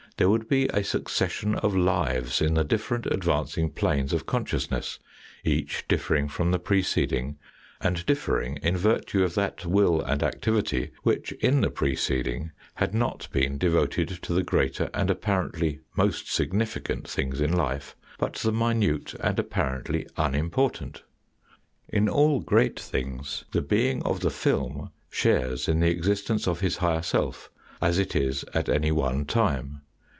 There would be a succession of lives in the different advancing planes of consciousness, each differing from the preceding, andidiffering in virtue of that will and activity which in the preceding had not been devoted to the greater and apparently most significant things in life, but the minute and apparently unimportant. In all great things the being of the film shares in the existence of his higher self, as it is at any one time.